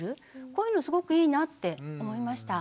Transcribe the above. こういうのすごくいいなって思いました。